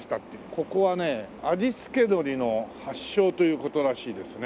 ここはね味付け海苔の発祥という事らしいですね。